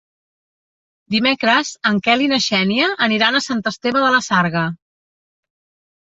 Dimecres en Quel i na Xènia aniran a Sant Esteve de la Sarga.